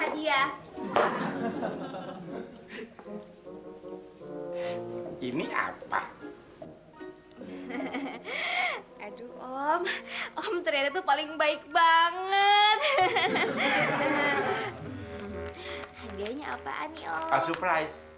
pasti pasti eh pasti ben suka